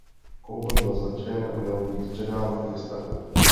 Kouba byl zatčen a měl být předán gestapu.